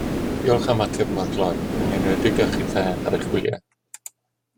Diolch am ateb mor gloi, yn enwedig a chithau ar eich gwyliau